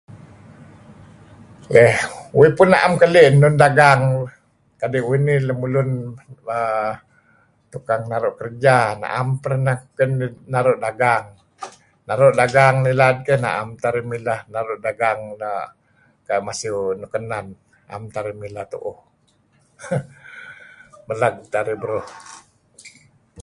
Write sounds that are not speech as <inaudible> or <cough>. le' uih peh na'em keli enun doo' tu'en' dagang kadi' uih lelulun tukang naru' kerja, na'em pernah naru' dagang. Naru' pen dagang ilad keh na'em teh mileh naru' dagang kayu' masiew nuk kenen, 'am teh arih mileh tu'uh <laughs> meleg narih beruh.